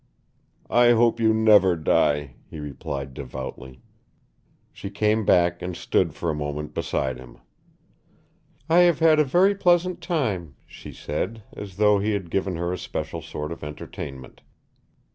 "I hope you never die," he replied devoutly. She came back and stood for a moment beside him. "I have had a very pleasant time," she said, as though he had given her a special sort of entertainment.